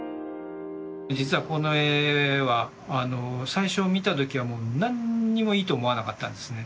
実はこの絵は最初見た時はもう何にもいいと思わなかったんですね。